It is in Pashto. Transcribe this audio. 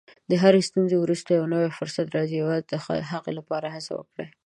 د هرې ستونزې وروسته یو نوی فرصت راځي، یوازې د هغې لپاره هڅه وکړئ.